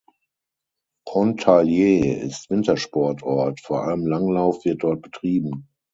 Pontarlier ist Wintersportort, vor allem Langlauf wird dort betrieben.